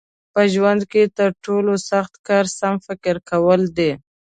په ژوند کې تر ټولو سخت کار سم فکر کول دي.